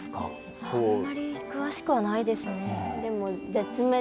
あんまり詳しくはないですね。